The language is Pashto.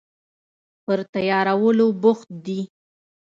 پر تیارولو بوخت دي